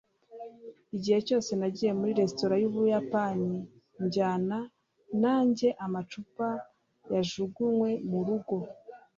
Igihe cyose nagiye muri resitora yUbuyapani njyana nanjye amacupa yajugunywe murugo